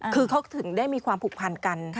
คือเขาถึงได้มีความผูกพันกัน